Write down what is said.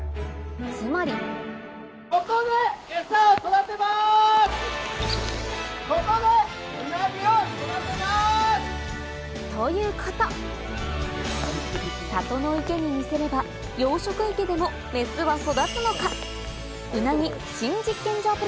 つまりということ里の池に似せれば養殖池でもメスは育つのか？